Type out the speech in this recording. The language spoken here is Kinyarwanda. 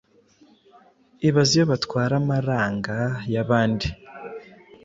Ibaze iyo batwara amaaranga yabandi